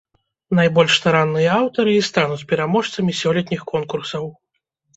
Найбольш старанныя аўтары і стануць пераможцамі сёлетніх конкурсаў.